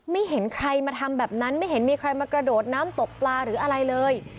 เห็นใครมาทำแบบนั้นไม่เห็นมีใครมากระโดดน้ำตกปลาหรืออะไรเลย